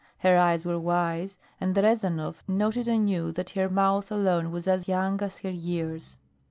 Her eyes were wise, and Rezanov noted anew that her mouth alone was as young as her years.